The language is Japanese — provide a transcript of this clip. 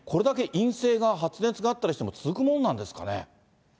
陰性が、発熱があったりしても、続くもんなんですかね。